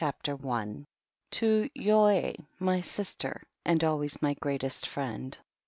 A. To YOE : my sister, and always my greatest friend.